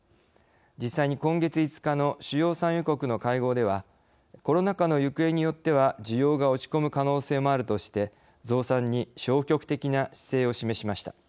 実際に今月５日の主要産油国の会合ではコロナ禍の行方によっては需要が落ちこむ可能性もあるとして増産に消極的な姿勢を示しました。